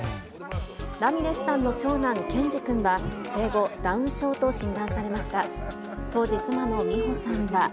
ラミレスさんの長男、剣侍くんは、生後、ダウン症と診断されました。